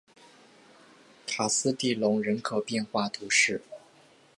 卡斯蒂隆人口变化图示